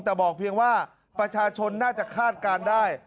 แต่บอกเพียงว่าประชาชนน่าจะคาดการณ์ได้